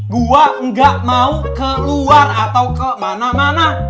gue gak mau keluar atau kemana mana